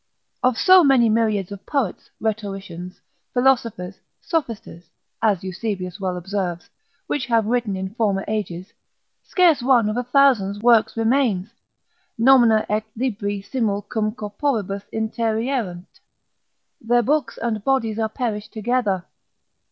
Of so many myriads of poets, rhetoricians, philosophers, sophisters, as Eusebius well observes, which have written in former ages, scarce one of a thousand's works remains, nomina et libri simul cum corporibus interierunt, their books and bodies are perished together.